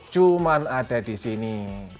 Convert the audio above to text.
cuma ada di sini